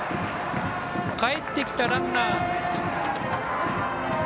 かえってきたランナー。